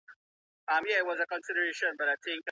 هنري کارونه د رواني فشار په کمولو کي مرسته کوي.